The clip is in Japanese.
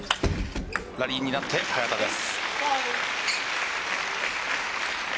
ラリーになって早田です。